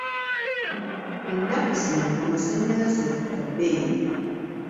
Ennaku zino amassanyalaze ga bbeeyi .